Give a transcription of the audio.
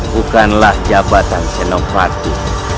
bukanlah jabatan senopati